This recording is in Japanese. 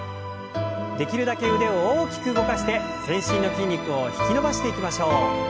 できるだけ腕を大きく動かして全身の筋肉を引き伸ばしていきましょう。